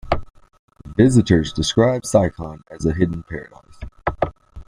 Visitors describe Siocon as a "hidden paradise".